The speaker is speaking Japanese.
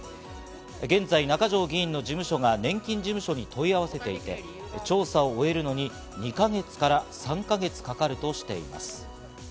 現在、中条議員の事務所が年金事務所に問い合わせていて、調査を終えるのに２か月から３か月かかるとしています。